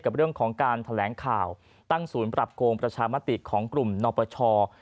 กับเรื่องของการแถลงข่าวตั้งศูนย์ปรับโกงประชามติของกลุ่มนปช